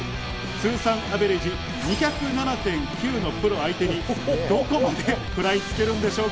通算アベレージ２０７．９のプロ相手にどこまで食らいつけるんでしょうか。